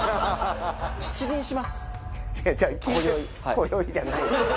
「今宵」じゃない。